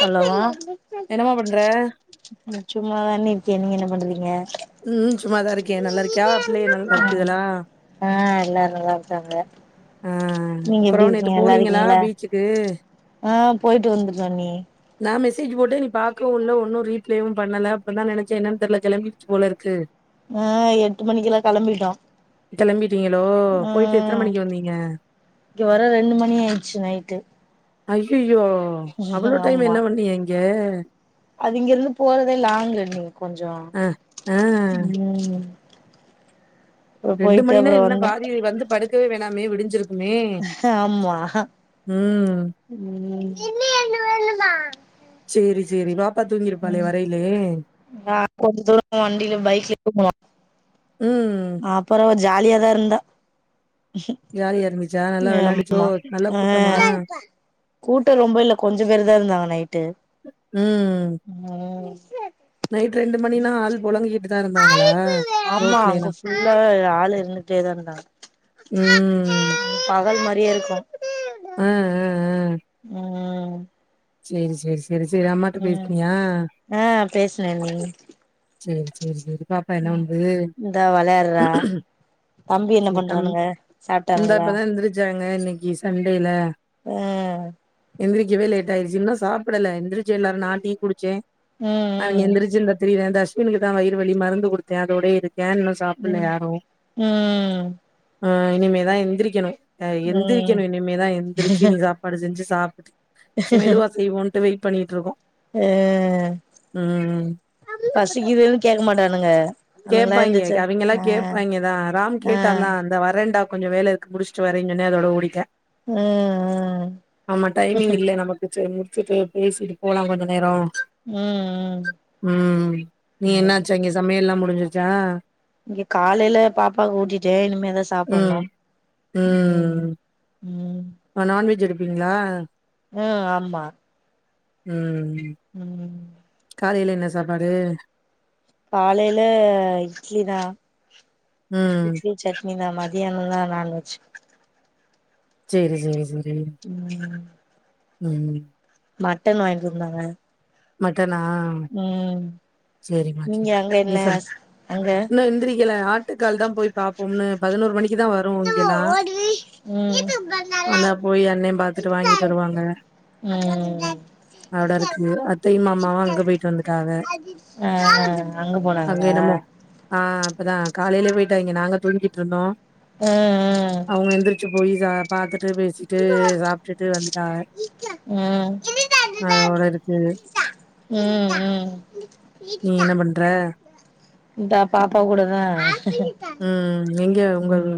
Hello எனமா பண்ற சும்மாதான்னே இருக்கே என்ன பண்றீங்க ம் ம் சும்மாதா இருக்கே நல்லாருக்கியா பிள்ளைக நல்லா இருக்குகளா அ எல்லாரு நல்லாருக்காங்க ஆ அப்பறோ நேத்து போனீங்களா இருக்கீங்களா பீச்சுக்கு ஆ போயிட்டு வந்ததுட்டோ அண்ணி நா மெசேஜூ போட்டே நீப் பாக்கவு இல்ல ஒன்னு ரீப்ளேவும் பண்ணல அப்றந்தா நெனச்சே என்னன் தெர்ல கெளம்பிடுச்சு போலருக்கு எட்டு மணிக்கிலா கிளம்பிட்டோ களம்பிட்டீங்களோ போயிட்டு எத்தன மணிக்கு வந்தீங்க இங்க வர ரெண்டு மணி ஆயிட்ச்சு நைட்டு ஐயுயோ அவுளோ டைம் ஆமா என்ன பண்ணிய அங்கே அது இங்கருந்து போறதே லாங்கு நீங் கொஞ்சோ ஆ ஆ ம் அப்றோ ரெண்டு போயிட்டு மணின அப்றோ என்ன வந்தோ பாதி வந்து படுக்கவே வேணாமே விடிஞ்சுருக் மே ஆமா ம் ம் சேரி சேரி பாப்பா தூங்கிருப்பாளே வரையிலே அ கொஞ் தூர வண்டில பைக்லே போணோ ம் அப்பறவ ஜாலியாதா இர்ந்தா ஜாலியா இருந்துச்சா நல்லா விள்யாண்டுச்சோ நல்லா கூட்டமா கூட்ட ரொம்ப இல்ல கொஞ்சம பேரு தா இருந்தாங்க நைட்டு ம் ம் நைட் மணினா ஆள் பொலங்கிக்கிட்டு தான் இருந்தாங்களா? ஆமா அங்க ரோட்லேலாம். ஃபுல்லா ஆள் இருந்து டேதா இர்ந்தாங்க ம் பகல் மாரியே இருக்கு அ அ அ ம் ம் சேரி சேரி சேரி சேரி அம்மாட்ட பேஸ்னியா அபேஸ்னண்ணி சேர் சேர் சேரி பாப்பா என்ன பன்து இந்தா வெளையாடுறா தம்பி என்ன சிக்கன் பண்றானுங்க இந்தா சாப்ட்டானுங்களா இப்பதா எந்துருச்சாங்க இன்னக்கி சண்டேல அ எந்துரிக்கவே லேட் ஆயிச்சு இன்னு சாப்புடல எந்துருச்சி எல்லாரும் நா டீ குடிச்சே அவிங்க ம் எந்துரிச்சு இந்த தெரில தஷ்மினுக்கு தா வயிறு வலி மருந்து குடுத்தே அதோட இருக்க இன்னு சாப்புல்ல ம் யாரு ம் அ இனிமேதா எந்துரிக்கெணு அ ம் ம் எந்துரிக்கெணு இனிமேதா எந்துருச்சு இனி சாப்பாடு செஞ்சு சாப்ட் சே மெதுவா செய்வோன்ட்டு வெயிட் பண்ணிகிட்ருக்கோ அ பசிக்கிதுன் கேக் மாட்டானுங்க அவனுங்களா எந்துருச்சு கேப்பாய்ங்க அவிங்களா ஆ கேப்பாய்ங்க தா ராம் ஆ கேட்டாந்தா இந்த வரண்டா கொஞ்ச வேல இருக் முடிச்சிட்டு வரீங்கன்னே அதோட ஓடிட்ட ம் ஆமா டைமிங் இல்லே நமக் சேர் முடிச்சுட்டு பேசிட்டு போலா கொஞ்ச நேரோ ம் ம் ம் நீ ஆமா என்னாச்சா இங்கே சமையல்லா முடிஞ்சிருச்சா இங்க காலைல பாப்பாக் ஊட்டிட்டே இனிமேதா ம் சாப்புட்ணு ம் அ நான்வெஜ் எடுப்பீங்ளா அ ஆமா ம் ம் காலைல என்ன சாப்பாடு காலையில இட்லி தா ம் இட்லி சட்னி சாம்பார் மத்தியானோந் தா நான்வெஜ் செரி செரி செரி ம் ம் மட்டன் வாங்கிட்டு வந்தாங்க மட்டனா ம் செரிம்மா நீங்க செரிமா அங்க நீ என்ன சம் அங்க இன்னு எந்திரிக்கல ஆட் டுகால் தா போய் பாப் பொண்ணு பதினோரு மணிக்கு தா வரு இங்கெல்லா ம் வந்தா போய் அண்ணெ பாத் துட்டு வாங்கிட்டு வருவாங்க ம் ம் அவட இருக்கு அத்தை யு மாமாவு அங்க போயிட்டு வந்துட்டாக ஆ அங்க என்னமோ ஆ அப்பதா காலையிலே போயிட்டாய்ங்கே நாங்க தூங்கிட்டு இருந்தோ ம் ம் அவங்க எந்திரச்சி போய் சா பாத்துட்டு பேசி ட்டு சாப்ட்டுட்டு வந்துட்டாக ம் அதவோட இருக்கு ம் ம் நீ என்ன பண்ற இந்தா பாப்பா கூட தா ம் எங்க உங்களது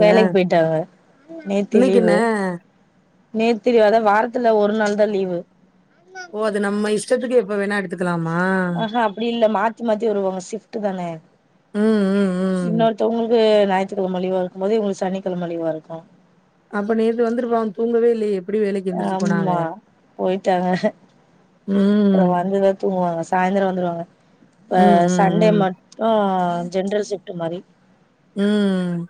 வேலைக்கு போயிட்டாக நேத்தி இன்னைக்கு என்ன லீவு நேத்தி லீவு அதா வாரத்துல ஒரு நாள் தா லீவு ஓ அது நம் இஷ்டத்துக்கு எப்போ வேணா எடுத் துக்கலாமா அஹோ அப்புடி இல்ல மாத்தி மாத்தி வருவாங்க சிப்ட்டு தானே ம் ம் ம் இன்னொருத்தவங்களுக்கு ஞாயிற்றுக்கெழம லீவா இருக்கும் போது இங்களுக்கு சனிக்கெழமை லீவா இருக்கு அப்ப நேத்து வந்துருப்பாங்க தூங்கவே இல்லையே எப்டி வேலைக்கு எந்திரிச்சு போனாக ஆமா போயிட்டாங்க அப்புற ம் வந்துதா தூங்குவாங்க சாயந்தரம் வந்துருவாங்க ம் ஆ ம் சண்டே ம் மட்டு ஜென்ரல் சிப்ட்டு மாரி ம் ம்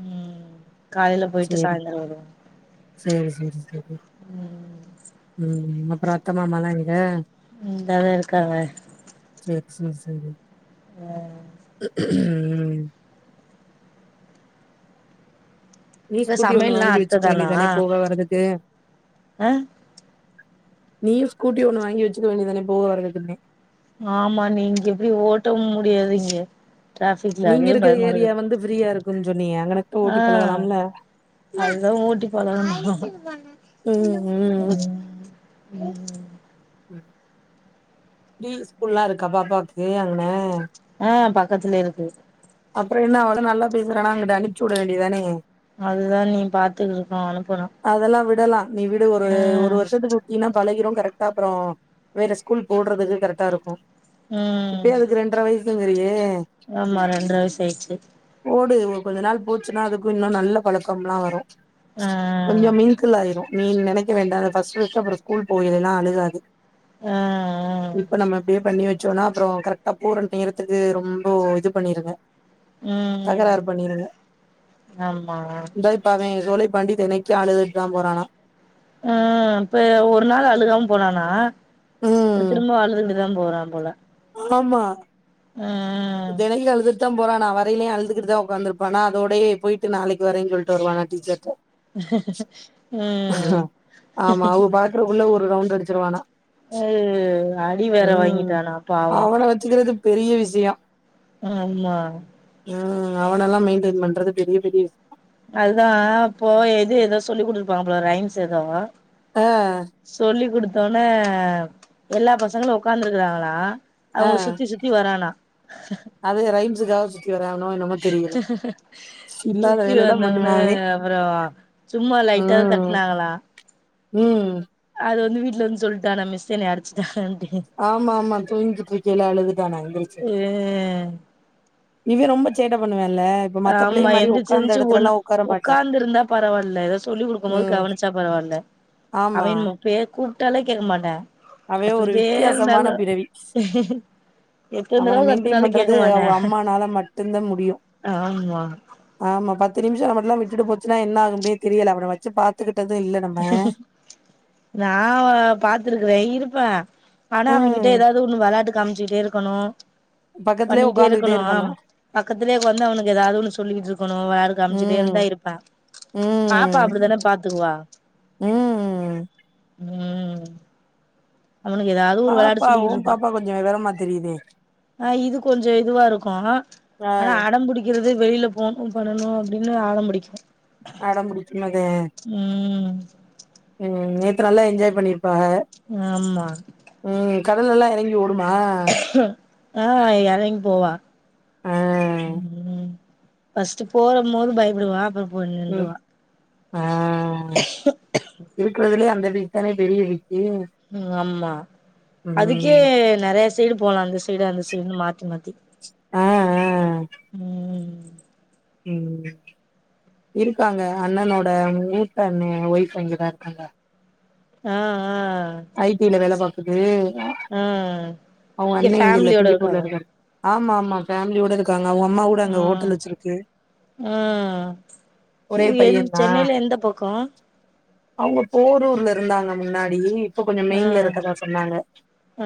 ம் காலையில போயிட்டு சாய்ந்தர வருவா சரி சரி சரி ம் ம் அப்புறம் அத்த மாமால்லா எங்க இங்க தா இருக்காங்க செர் செர் செரி ஆ ம் நீ இந்த ஸ்கூட்டி ஒண்ணு சமையல்லா வாங்கி அத்த வெச்சுக்க தானா வேண்டிதானே போக வர்றதுக்கு ஆ நீயு ஸ்கூட்டி ஒண்ணு வாங்கி வெச்சுக்க வேண்டிதானே போக வரதுக்குன்னே ஆமா நீங்க எப்டி ஓட்ட முடியாது இங்கே நீங்க இருக்க ஏரியா வந்து ஃப்ரீயா இருக்குன்னு சொன்னீயே அங்கனக்குள்ள ஓட்டி பழகலாம்ல அதுதான் ஓட்டி பழகனு ம் ம் ம் ஃப்ரீ ஸ்கூல்ல்லா இருக்கா பாப்பாக்கு அங்கன ஆ பக்கத்துல இருக்கு அப்புற என்ன அவள நல்லா பேசுறோனா அங்குட்டு அனுப்ச்சி வுட வேண்டியதானே அதுதா நீ பாத்துக்க க அனுப்பனு அதெல்லா விடலா நீ விடு ஒரு ஒரு வருஷத்துக்கு இங்கின்னா பழகிரு கரெக்டா அப்றோ வேற ஸ்கூல் போடுறதுக்கு கரெக்டா இருக்கு ம் இப்பயே அதுக்கு இரண்டற வயசுங்றியே ஆமா ரெண்டற வயசு ஆயிட்ச்சு போடு கொஞ்ச நாள் போச்சுன்னா அதுக்கு இன்னு நல்ல பழக்கம்லா வரு அ கொஞ்சோ மிங்குல் ஆயிரு நீ நெனக்க வேண்டா ஃபஸ்ட் ஃபஸ்ட் அப்றோ ஸ்கூ போயலெல்லா அழுகாது ஆ ஆ இப்ப நம்ம பே பண்ணி வச் சோன்னா அப்றோ கரெக்டா போற நேரத்துக்கு ரொம்போ இது பண்ணிருங்க ம் தகராறு பண்ணிருங்க ஆமா தேத் இப்ப அவ சோலை பாண்டி தினைக்கு அழுதுட் தா போறானா அ இப்ப ஒரு நாள் அழுகாம போனானா ப்ரு ம் திரும்ப அழுது கிட்டு தா போறா போல ஆமா அ தெனைக்கு அழுதுகுட்தா போறானா வரையிலயு அழுதுகுட்டு தா ஒக்காந்து இருப்பானா அதோடயே போய்ட்டு நாளைக்கு வரே சொல்ட்டு வருவானா டிஜேக்கோ ம் அப்றோ உள்ள ஒரு ரவுண்டு அடிச்சிருவானா அது அடி வேற ம் வாங்கிட்டானா பாவோ அவன வச்சுக்கிறது பெரிய விஷயோ ஆமா அ அவனல்லா மெயின்டெய்ன் பண்றது பெரிய பெரிய விஷ் அதா போய எது ஏதோ சொல்லி குடுதுருப்பாங்க போல ரைம்ஸ் ஏதோ அ சொல்லி குடுத்தோன எல்லா பசங்களு உக்காந்துருக்குறாங்ளா அவங்கள சுத்தி சுத்தி வரானா அதுக ரைம்ஸ் காவ சுத் இல்லாத சுத்தி வேலையெல்லா வந்தோன்ன பண்ணுவா அவே அப்றோ சும்மா லைட்டா ம் தட்னாங்களா ம் அது வந்து வீட்ல வந்து சொல்ட்டானா மிஸ் என்னைய அடிச்சிட்டாங்கன் ஆமா ஆமா தூங்கிட்றிக்கேல அழுதுட்டானா எந்திருச்சு ம் இவே ரொம்ப சேட்ட பண்ணுவேன்ல்ல ஆமா எந்துரிச்சு எந்துச்சு ஓட்னா மாட்டா ஒக்காந்து இருந்தா பரவால்ல ஏதோ சொல்லி் குடுக்கும் போது ம் கவனிச்சா பரவால்ல அவ ஆமா நம்ம பே கூப்ட்டாலே கேக்க மாட்டா அவே ஒரு கத்திக்கிட்டே வித்தியாசமான இருந்தாலு பிறவி எத்தன அவன தடவ மெயின்டென் கத்துனாலு கேக்க பண்றது மாட்டா அவுக அம்மானால மட்டுந்தா முடியு ஆமா ஆமா பத்து நிமிஷோ நம்மட்லா விட்டுட்டு போச்சுன்னா என்ன ஆகும்னே தெரியல அவன வச்சு பாத்துக்கிட்டது இல்ல நம்ம நா பாத்துருக்றே இருப்பா ஆனா அவங்கிட்ட ம் ஏதாவ்து ஒன்னு விளாட்டு காமிச்சுக்கிட்டே இருக்கணு பக்கத்துலயே பண்ணிக்கிட்டே உக்காந்துகிட்டே இருக்கணு ஆம் பக்கத்துலே உக்காந்து அவனுக்கு ஏதாவ்து ஒன்னு சொல்லிக்கிட்றுக்கனு வேற காம்ச்சுகிட்டே ம் இருந்தா இருப்பா பாப்பா ம் அப்டிதான பாத்துக்குவா ம் ம் அவனுக்கு ஏதாவ்து ஒரு விளாட்டு பாப்பா ஓ சொல்லிக்கிட்ருப்பா பாப்பா கொஞ்சோ விவரமா தெரியுதே ஆ இது கொஞ்சொ இதுவா இருக்கு ஆ ஆனா அடம்புடிக் கிறது வெயில்ல போணு பண்ணனு அப்டின்னு அடம்புடிக்கு அடம்புடிக்குமது ம் ம் நேத்து நல்லா என்ஜாய் பண்ணிருப்பாஹ ஆமா ம் கடலல்லா எறங்கி ஓடுமா ஆ எறங்கி போவா ஆ ஃபர்ஸ்ட்டு போறம் போது பயப்படுவா அப்பறோ போய் ம் நின்றுவா ஆ இருக்குறதுலயே அந்த வீக் தான பெரிய வீக்கு ம் ஆமா அதுக்கே நறைய சைடு போலா அந்த ஸ் சைடு அந்த சைடுன் மாத்தி மாத்தி ஆ ஆ ம் ம் இருக்காங்க அண்ணனோட மூத்த அண்ணே ஒய்ஃபு இங்கதா இருக்காங்க ஆ ஆ ஐ டி ல வேல பாக்குது ஆ அவ்ங்க அண்ணே இங்க இல்ல ஃபேமிலியோட சிங்கப்பூர்ல இருக்காங்களா இருக்கார் ஆமா ஆமா ஃபேம்லியோட இருக்காங்க அவ்ங்க அம்மா கூட அங்க ம் ஹோட்டல் வச்சிருக்கு ஒரே ஒ எந் சென்னைல எந்த பக்கொ அவ்ங்க போரூர்ல இருந்தாங்க முன்னாடி இப்ப கொஞ்சொ ஆ மெயின்ல இருக்குறதா சொன்னாங்க ஆ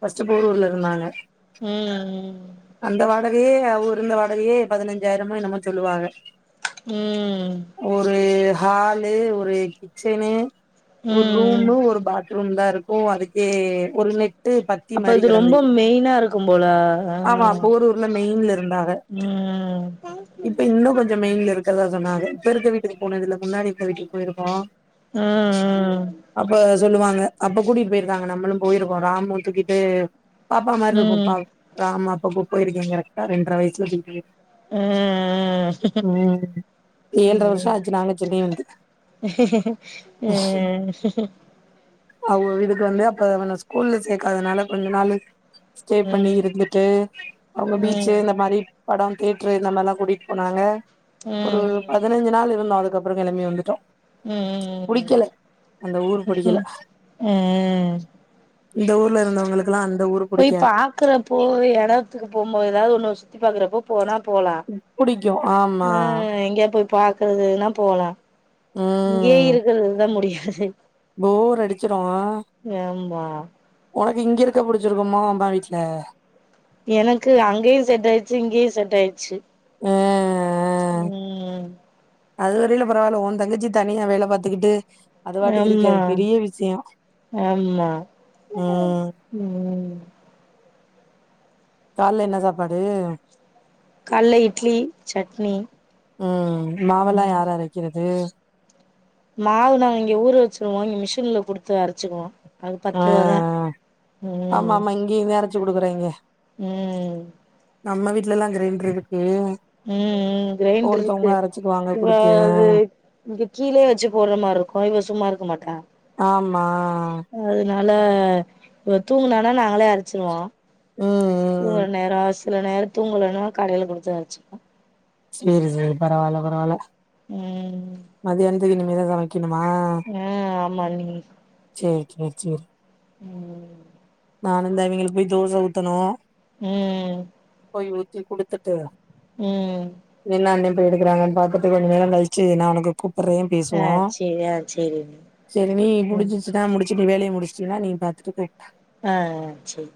ஃபஸ்ட்டு போரூர்ல இருந்தாங்க ம் ம் அந்த வாடகையே அவங்க இருந்த வாடகையே ஒர் இந்த வாடகையே பதினஞ்சாய்ரமோ என்னமோ சொல்லுவாக ம் ம் ஒரு ஹாலு ஒரு கிச்சனு ஒரு ம் ரூமு ஒரு பாத்ரூம் தா இருக்கு அதுக்கே ஒரு நெ ட்டு பத்தி அப்ப மாரி இது ரொம்ப கடந்துது மெயினா இருக்கும் போல ஆ ஆமா போரூர்ல மெயின்ல இருந்தாக ம் இப்ப இன்னு கொஞ் சொ மெயின்ல இருக்றதா சொன்னாக இப்ப இருக்க வீட்டுக் போனதில்ல முன்னாடி இருந்த வீட்டுக் போயிருக்கோ ம் அப்ப சொல்லுவாங்க அப்ப கூட்டிட்டு போய்ருக்காங்க நம்மளும் போயிருக்கோ ராமு தூக்கிட்டு பாப்பா மாரி ம் ம் இருக்கு ப ராமு அப்ப போயிருக்க கரெக்ட்டா ரெண்ட்ர வயசுல தூக்கிட்டு ஆ அ ம் ஏழ்ர வர்ஷொ ஆச்சு நாங்க சென்னை வந்து அவ்ங்க வீட்டுக்கு வந்து அப்ப அவன ஸ்கூல்ல சேக்காதனால கொஞ்ச நாளு ஸ்டே பண்ணி இருந்துட்டு அவ்ங்க பீச்சு ம் இந்த மாரி படொ தேட்ரு இந்த மாரில்லா கூட்டியின் போனாங்க ஒரு பதினஞ்சு நாளு இருந்தோ அதுக்கப்றொ கெளம்பி வந்துட்டோ ம் புடிக்கல அந்த ஊர் புடிக்கல ம் இந்த ஊர்ல இருந்தவங்களுலா அந்த ஊரு போய் புடிக்காது பாக்குறப்போ எடத்துக்கு போம்போது ஏதாது ஒண்ணு சுத்தி பாக்குறப்போ போனா போலா ச்சோ ஆம் அ எங்யா போய் பாக்கறதுனா போலா இங்யே ம் இருக்குறது தா முடியாது போர் அடிச்சிரு அ ஆமா உனக்கு இங்க இருக்க புடிச்சிருக்குமா அம்மா வீட்ல எனக்கு அங்கேயு செட் ஆயிச்சி இங்கேயு செட் ஆயிச்சி அ அ ம் அது வரையில பரவாயில்ல ஒ தங்கச்சி தனியா வேல பாத்துகிட்டு ஆம்மா ஆம்மா ம் ம் கால்ல என்ன சாப்பாடு கால்ல இட்லி சட்னி ம் மாவல்லா ம் யார் அரைக்கிறது மாவு நாங்க இங்க ஊற வச்சிருவோ இங்க மிஷின்ல குடுத்து அரச்சிக்குவோ அஅ ஆமா ஆமா இங்கேயு தா அரச்சி குடுக்குறாங்கே ம் நம்ம வீட்டெல்லா கிரைண்டர் இருக்கு ம் ம் கிரைண்டர் இருக்கு ஒருத்தவங்க அரைச்சுக்குவாங்க இவ குடுத்து அது இங்க கீழே வச்சு போட்ற மாரி இருக்கு இவ சும்மா இருக்க மாட்டா ஆம்மா அதுனால இவ தூங்குனா நாங்களே அரச்சிருவோ ம் ம் தூங்குற நேரோ சில நேரோ தூங்கலனா கடையில குடுத்து அரச்சிப் சரி சரி பரவாயில்ல பரவாயில்ல ம் மதியானத்துக்கு இனிமேதா சமைக்கணுமா அ ஆமா அண்ணி சேரி சேரி சேரி ம் நானு தா இவங்களுக்கு போய் தோச ஊத்தணு ம் போய் ஊத்தி குடுத்துட்டு ம் எனி தா அண்ண போய் எடுக்கறாங்கன் பாத்துட்டு கொஞ்ச நேரோ கழிச்சி நானு போ கூப்பர்ரே ஆ பேசுவோ சேரி ஆ சேரி சரி நீ ம் முடிஞ்சி சினா முடிச்சி நீ வேலைய முடிச்சினா நீ பாத்துட்டு போய்ட்டா அஅ சரி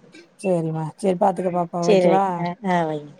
சேரிமா சேரி பாத்துக்க பாப்பாவ வக்கவா வைங்க ஆ ஆ வைங்க